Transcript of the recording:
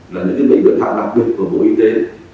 là những bệnh viện hạng đặc biệt của bộ y tế